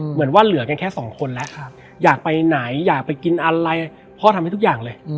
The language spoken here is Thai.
เหมือนว่าเหลือกันแค่สองคนแล้วอยากไปไหนอยากไปกินอะไรพ่อทำให้ทุกอย่างเลย